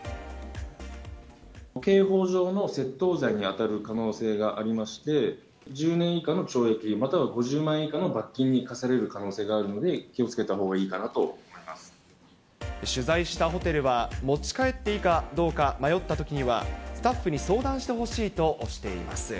刑法上の窃盗罪に当たる可能性がありまして、１０年以下の懲役、または５０万円以下の罰金に科される可能性があるので、気をつけ取材したホテルは、持ち帰っていいかどうか迷ったときには、スタッフに相談してほしいとしています。